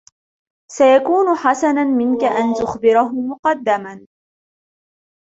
سيكون حسنًا منك أن تخبره مقدمًا.